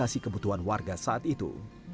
dan juga menjaga kebutuhan warga saat itu